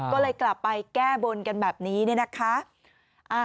ก็เลยกลับไปแก้บนกันแบบนี้เนี่ยนะคะ